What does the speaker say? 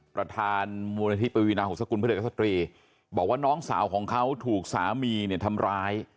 ประธานมูลนิธิปวีนาหงษกุลเพื่อเด็กสตรีบอกว่าน้องสาวของเขาถูกสามีเนี่ยทำร้าย